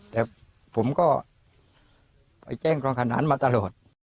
แต่ผมก็ไปแจ้งความขนานมาตลอด